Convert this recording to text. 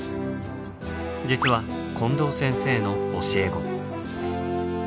実は近藤先生の教え子。